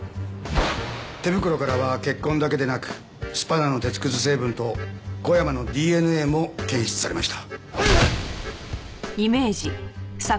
手袋からは血痕だけでなくスパナの鉄くず成分と小山のＤＮＡも検出されました。